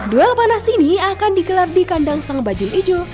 duel panas ini akan digelar di kandang sang bajul ijo